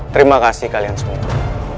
terima kasih kalian semua